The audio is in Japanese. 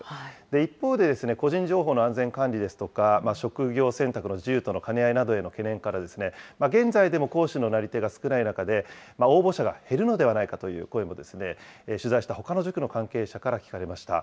一方で個人情報の安全管理ですとか、職業選択の自由との兼ね合いなどの懸念からですね、現在でも講師のなり手が少ない中で、応募者が減るのではないかという声も、取材したほかの塾の関係者から聞かれました。